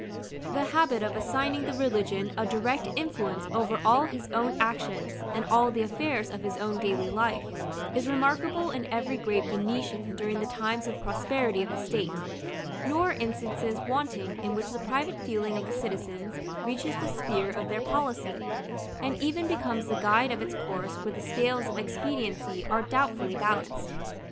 The habit of assigning to religion a direct influence over all his own actions, and all the affairs of his own daily life, is remarkable in every great Venetian during the times of the prosperity of the state; nor are instances wanting in which the private feeling of the citizens reaches the sphere of their policy, and even becomes the guide of its course where the scales of expediency are doubtfully balanced.